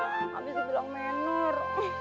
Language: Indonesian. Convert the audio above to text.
habis di bilang menor